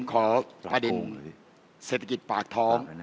ผมขาดินเศรษฐกิจปราบท้อง